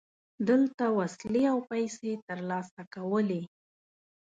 دلته وسلې او پیسې ترلاسه کولې.